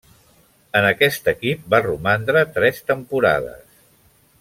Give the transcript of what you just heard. En aquest equip va romandre tres temporades.